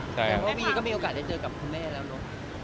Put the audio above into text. แต่ว่าวีก็มีโอกาสได้เจอกับคุณแม่แล้วเนอะ